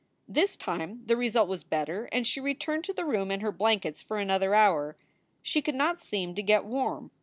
This time the result was better, and she returned to the room and her blankets for another hour. She could not seem to get warm.